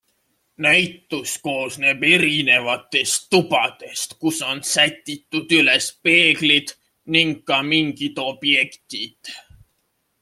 Näitus koosneb erinevatest tubadest, kus on sätitud üles peeglid ning ka mingid objektid.